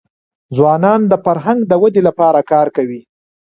ځوانان د فرهنګ د ودي لپاره کار کوي.